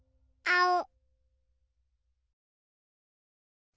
あお？